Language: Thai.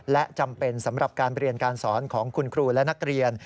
และจำเป็นสำหรับการเรียนการสอนของคุณครูและนักเรียน